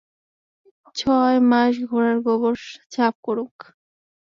ছয় মাস ঘোড়ার গোবর সাফ করুক।